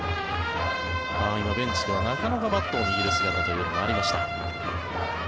今、ベンチでは中野がバットを握る姿がありました。